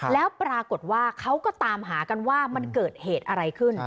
แล้วปรากฏว่าเขาก็ตามหากันว่ามันเกิดเหตุอะไรขึ้น